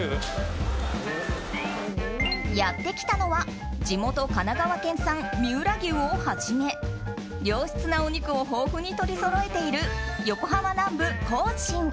やってきたのは地元神奈川県産、三浦牛をはじめ良質なお肉を豊富に取りそろえている横浜南部晃進。